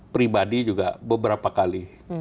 pribadi juga beberapa kali